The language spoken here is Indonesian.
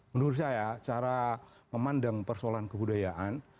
menurut saya cara memandang persoalan kebudayaan